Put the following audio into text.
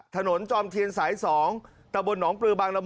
ถนนจองเทียงสายสองดะบนหนองปรือบางละมุง